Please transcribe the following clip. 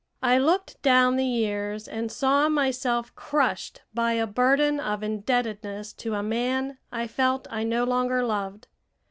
I looked down the years and saw myself crushed by a burden of indebtedness to a man I felt I no longer loved.